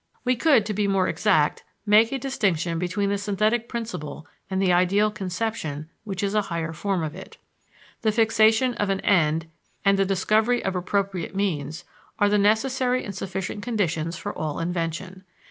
We could, to be more exact, make a distinction between the synthetic principle and the ideal conception which is a higher form of it. The fixation of an end and the discovery of appropriate means are the necessary and sufficient conditions for all invention.